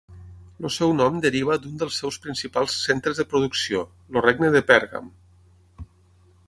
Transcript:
El seu nom deriva d'un dels seus principals centres de producció: el regne de Pèrgam.